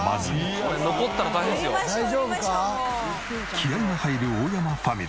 気合が入る大山ファミリー。